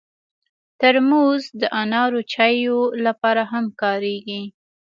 ترموز د انارو چایو لپاره هم کارېږي.